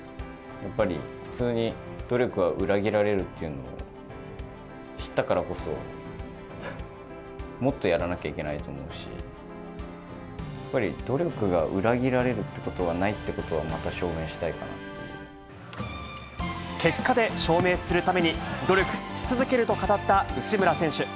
やっぱり普通に、努力は裏切られるっていうのを知ったからこそ、もっとやらなきゃいけないと思うし、やっぱり努力が裏切られるってことはないってことは、また証明し結果で証明するために、努力し続けると語った内村選手。